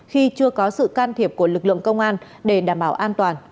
khi chưa có sự can thiệp của lực lượng công an để đảm bảo an toàn